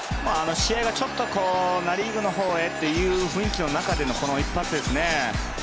試合がちょっとナ・リーグのほうへという雰囲気の中でのこの一発ですね。